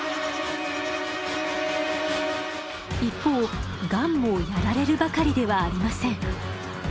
一方ガンもやられるばかりではありません。